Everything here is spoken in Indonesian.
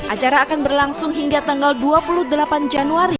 acara akan berlangsung hingga tanggal dua puluh delapan januari